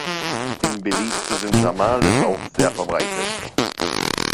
In Belize sind Tamales auch sehr verbreitet.